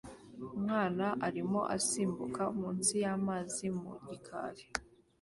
Umwana arimo asimbukira munsi y'amazi mu gikari